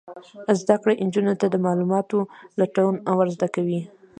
زده کړه نجونو ته د معلوماتو لټون ور زده کوي.